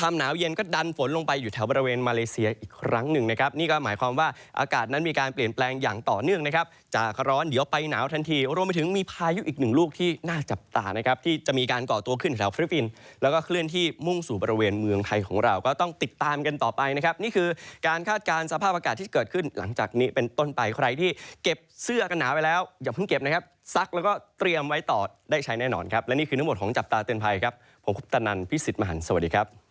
มันฝนลงไปอยู่แถวบริเวณมาเลเซียอีกครั้งหนึ่งนะครับนี่ก็หมายความว่าอากาศนั้นมีการเปลี่ยนแปลงอย่างต่อเนื่องนะครับจะร้อนเดี๋ยวไปหนาวทันทีรวมไปถึงมีพายุอีกหนึ่งลูกที่น่าจับตานะครับที่จะมีการก่อตัวขึ้นแถวฟริฟินแล้วก็เคลื่อนที่มุ่งสู่บริเวณเมืองไทยของเราก็ต้องติดตามกันต่อไปนะคร